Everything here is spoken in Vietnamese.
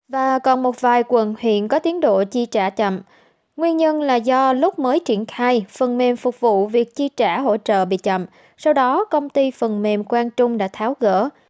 và còn một vài quận huyện có tiến độ chi trả chậm nguyên nhân là do lúc mới triển khai phần mềm phục vụ việc chi trả hỗ trợ bị chậm sau đó công ty phần mềm quang trung đã tháo gỡ